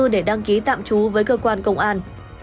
để đăng ký tạm trú với cơ quan công an